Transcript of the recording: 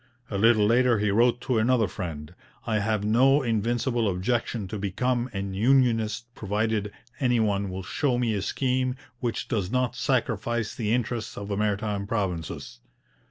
A little later he wrote to another friend: 'I have no invincible objection to become an unionist provided any one will show me a scheme which does not sacrifice the interests of the Maritime Provinces.'